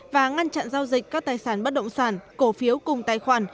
và ngăn chặn giao dịch các tài sản bất động sản cổ phiếu cùng tài khoản